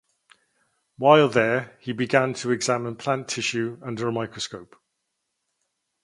While there he began to examine plant tissue under a microscope.